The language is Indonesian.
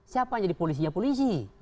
siapa jadi polisinya polisi